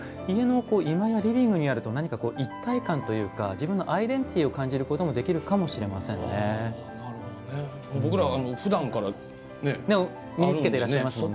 また家紋も家の居間のリビングにあると何か一体感というか自分のアイデンティティーを感じることができるかもしれないですね。